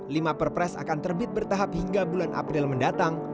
lima perpres akan terbit bertahap hingga bulan april mendatang